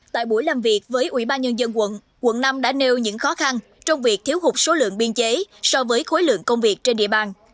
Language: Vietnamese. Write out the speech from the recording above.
tại buổi làm việc với ubnd quận quận năm đã nêu những khó khăn trong việc thiếu hụt số lượng biên chế so với khối lượng công việc trên địa bàn